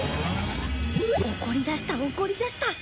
怒りだした怒りだした。